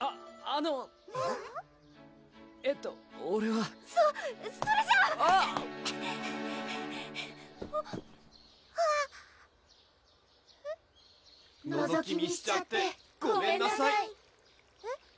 あっはわのぞき見しちゃってごめんなさいえっ？